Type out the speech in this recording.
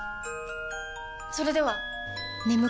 それでは！